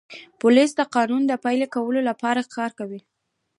پولیس د قانون پلي کولو لپاره کار کوي.